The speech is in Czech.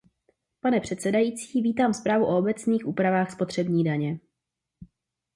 Pane předsedající, vítám zprávu o obecných úpravách spotřební daně.